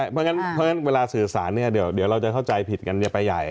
เพราะฉะนั้นเวลาสื่อสารเนี่ยเดี๋ยวเราจะเข้าใจผิดกันไปใหญ่